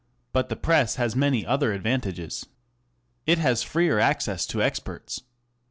But the Press has many other advantages. It has ^ freer access to experts.